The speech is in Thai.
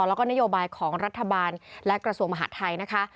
แล้วก็นโยบายของรัฐบาลและกระทรวงมหาดไทยนะคะ